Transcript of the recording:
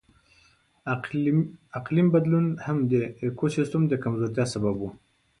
اقلیم بدلون هم د ایکوسیستم د کمزورتیا سبب و.